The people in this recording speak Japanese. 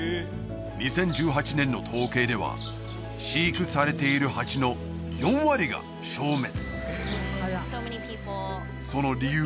２０１８年の統計では飼育されているハチの４割が消滅